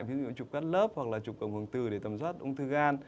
ví dụ như chụp cắt lớp hoặc là chụp cầm hồng tử để tầm doát ung thư gan